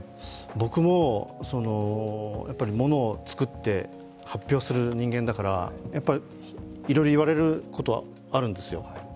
僕も、ものを作って発表する人間だからやっぱいろいろ言われることはあるんですよ。